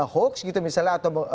hoax gitu misalnya atau